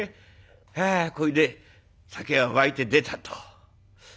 はあこれで酒がわいて出たと。